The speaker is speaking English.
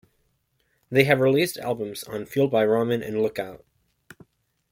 They have released albums on Fueled by Ramen and Lookout!